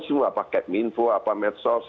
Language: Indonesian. semua pak ketminfo pak medsos